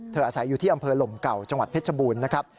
อาศัยอยู่ที่อำเภอหลมเก่าจังหวัดเพชรบูรณ์นะครับ